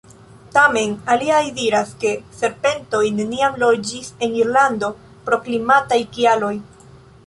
Tamen aliaj diras, ke serpentoj neniam loĝis en Irlando pro klimataj kialoj.